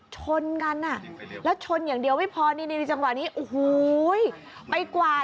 ช้นนี่แล้วช้นอย่างเดียวไม่พอ